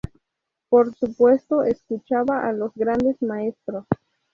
Por supuesto, escuchaba a los grandes maestros.